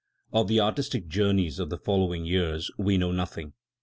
Of the artistic journeys of the following years we know nothing.